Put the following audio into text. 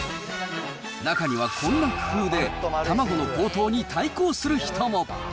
中にはこんな工夫で卵の高騰に対抗する人も。